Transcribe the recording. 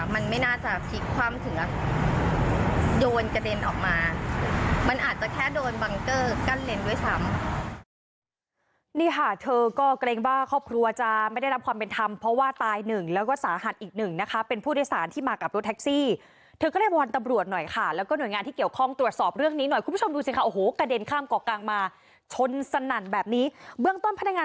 มันอาจจะแค่โดนบังเกอร์กั้นเลนด้วยซ้ำนี่ค่ะเธอก็เกรงว่าครอบครัวจะไม่ได้รับความเป็นธรรมเพราะว่าตายหนึ่งแล้วก็สาหัสอีกหนึ่งนะคะเป็นผู้โดยสารที่มากับรถแท็กซี่เธอก็ได้วันตบรวจหน่อยค่ะแล้วก็หน่วยงานที่เกี่ยวข้องตรวจสอบเรื่องนี้หน่อยคุณผู้ชมดูสิค่ะโอ้โหกระเด็นข้ามกอกกางมาชนสน